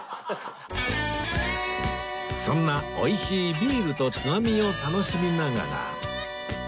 そんな美味しいビールとつまみを楽しみながら